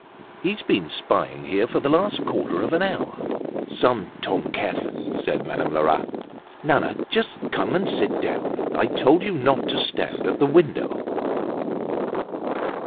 He's been spying here for the last quarter of an hour." "Some tom cat," said Madame Lerat. "Nana, just come and sit down! I told you not to stand at the window."